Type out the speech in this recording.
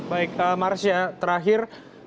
baik marsya terakhir